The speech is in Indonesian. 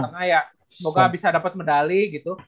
semoga bisa dapet medali gitu